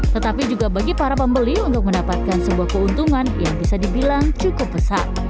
tetapi juga bagi para pembeli untuk mendapatkan sebuah keuntungan yang bisa dibilang cukup besar